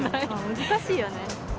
難しいよね。